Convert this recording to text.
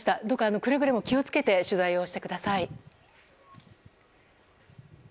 どうかくれぐれも気を付けて取材をしてください。